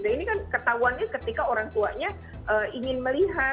nah ini kan ketahuannya ketika orang tuanya ingin melihat